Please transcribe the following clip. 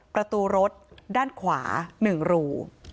ประตูรถด้านขวา๑รู